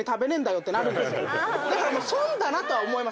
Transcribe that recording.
だから損だなとは思います。